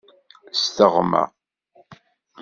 S teɣma.